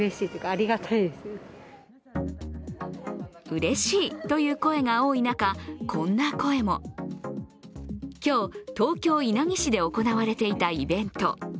うれしいという声が多い中、こんな声も今日、東京・稲城市で行われていたイベント。